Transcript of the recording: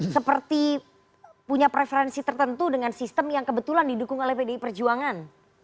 seperti punya preferensi tertentu dengan sistem yang kebetulan didukung oleh pdi perjuangan